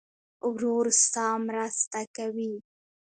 ورور ستا مرسته کوي.